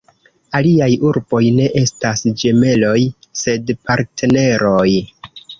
Aliaj urboj ne estas ĝemeloj sed partneroj.